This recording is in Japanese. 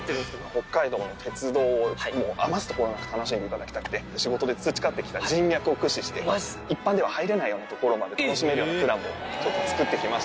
北海道の鉄道を、もう余すところなく楽しんでいただきたくて、仕事で培ってきた人脈を駆使して、一般では入れないよう所まで楽しめるようなプランを作ってきまし